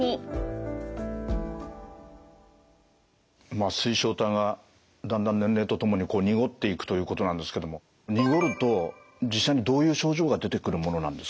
まあ水晶体がだんだん年齢とともに濁っていくということなんですけども濁ると実際にどういう症状が出てくるものなんですか？